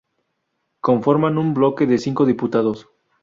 Conforman un bloque de cinco diputados.